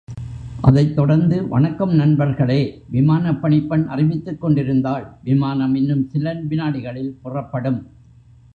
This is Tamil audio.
அதைத் தொடர்ந்து வணக்கம் நண்பர்களே! விமானப் பணிப்பெண் அறிவித்துக் கொண்டிருந்தாள் விமானம் இன்னும் சில வினாடிகளில் புறப்படும்.